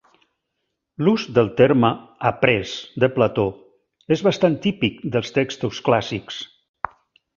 L'ús del terme "après" de Plató és bastant típic dels textos clàssics.